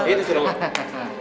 itu sih roman